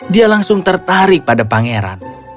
dia langsung tertarik pada pangeran